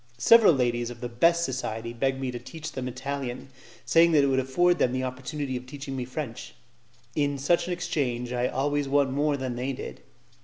Several ladies of the best society begged me to teach them Italian, saying that it would afford them the opportunity of teaching me French; in such an exchange I always won more than they did.